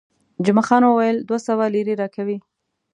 جمعه خان وویل، دوه سوه لیرې راکوي.